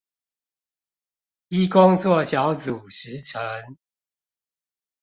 依工作小組時程